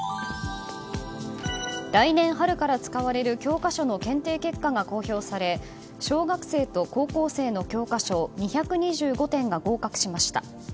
来年春から使われる教科書の検定結果が公表され小学生と高校生の教科書２２５点が合格しました。